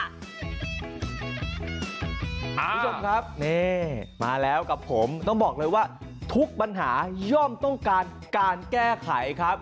คุณผู้ชมครับนี่มาแล้วกับผมต้องบอกเลยว่าทุกปัญหาย่อมต้องการการแก้ไขครับ